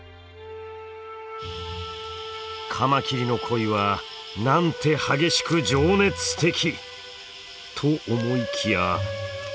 カマキリの恋はなんて激しく情熱的！と思いきや。